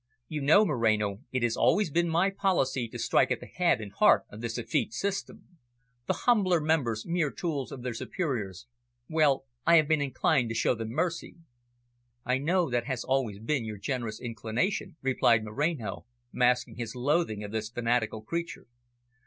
"You know, Moreno, it has always been my policy to strike at the head and heart of this effete system. The humbler members, mere tools of their superiors well, I would be inclined to show them mercy." "I know that has always been your generous inclination," replied Moreno, masking his loathing of this fanatical creature.